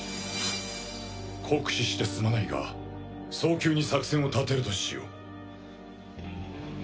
酷使してすまないが早急に作戦を立てるとしよう。